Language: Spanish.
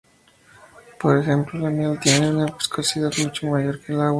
Por ejemplo, la miel tiene una viscosidad mucho mayor que el agua.